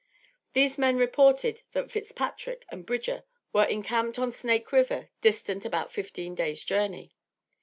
These men reported that Fitzpatrick and Bridger were encamped on Snake River distant about fifteen days' journey.